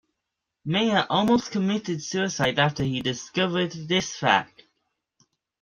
Mayer almost committed suicide after he discovered this fact.